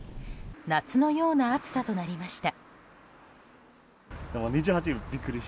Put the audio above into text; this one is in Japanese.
夏のような暑さとなりました。